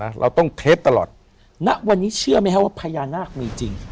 เราต้องเทปตลอดณวันนี้เชื่อไหมฮะว่าพญานาคมีจริง